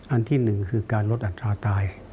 อันที่๑คือการลดอัตราตาย